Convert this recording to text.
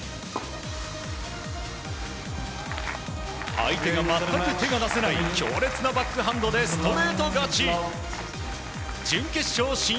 相手が全く手が出せない強烈なバックハンドでストレート勝ち。